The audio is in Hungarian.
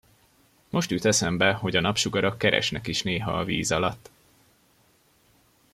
Most jut eszembe, hogy a napsugarak keresnek is néha a víz alatt.